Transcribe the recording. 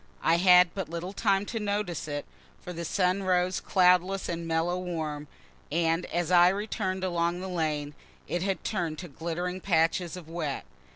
I had but little time to notice it, for the sun rose cloudless and mellow warm, and as I returned along the lane it had turn'd to glittering patches of wet.